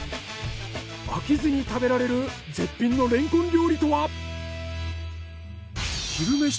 飽きずに食べられる絶品のレンコン料理とは！？